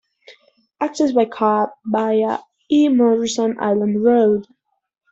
Access by car via E. Morrison Island Road.